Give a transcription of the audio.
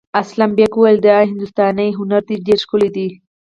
اسلم بېگ وویل دا هندوستاني هنر دی ډېر ښکلی دی.